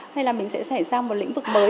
hay là mình sẽ xảy ra một lĩnh vực mới